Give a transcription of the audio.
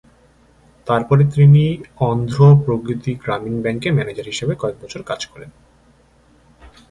তারপরে তিনি অন্ধ্র প্রগতি গ্রামীণ ব্যাংকে ম্যানেজার হিসাবে কয়েক বছর কাজ করেন।